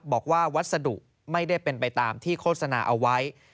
วัสดุไม่ได้เป็นไปตามที่โฆษณาเอาไว้